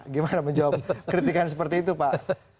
gimana menjawab kritikan seperti itu pak